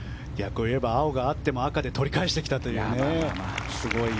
青があっても赤で取り返してきたというね。